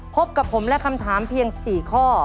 พบกับผมและคำถามเพียง๔ข้อ